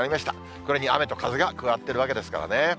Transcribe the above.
これに雨と風が加わっているわけですからね。